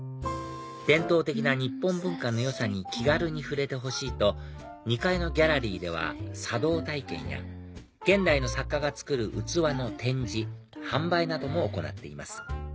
伝統的な日本文化のよさに気軽に触れてほしいと２階のギャラリーでは茶道体験や現代の作家が作る器の展示・販売なども行っています